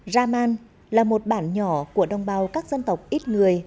raman là một bản nhỏ của đồng bào các dân tộc ít người